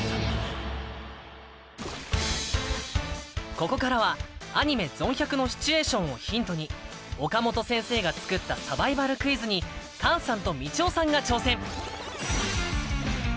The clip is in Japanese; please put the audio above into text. ここからはアニメ「ゾン１００」のシチュエーションをヒントに岡本先生が作ったサバイバルクイズに菅さんとみちおさんが挑戦！